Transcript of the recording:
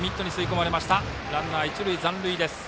ランナー、一塁残塁です。